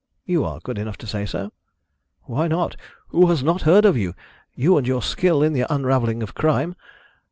"You are good enough to say so." "Why not? Who has not heard of you, and your skill in the unravelling of crime?